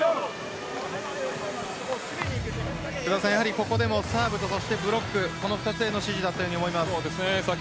ここでもサーブとブロック２つへの指示だったように思います。